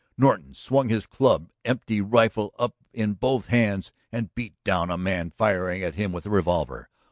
Norton swung his clubbed empty rifle up in both hands and beat down a man firing at him with a revolver.